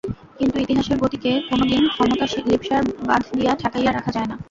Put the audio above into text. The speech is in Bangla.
কিন্তু ইতিহাসের গতিকে কোনো দিন ক্ষমতালিপ্সার বাঁধ দিয়া ঠেকাইয়া রাখা যায় না।